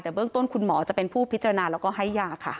แต่เบื้องต้นคุณหมอจะเป็นผู้พิจารณาแล้วก็ให้ยาค่ะ